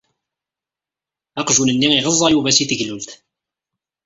Aqjun-nni iɣeẓẓa Yuba si teglult.